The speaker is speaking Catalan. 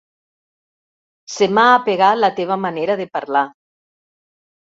Se m'ha apegat la teva manera de parlar.